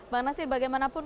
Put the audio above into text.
bang nasir bagaimanapun